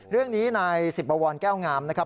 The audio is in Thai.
เรื่องนี้นายสิบบวรแก้วงามนะครับ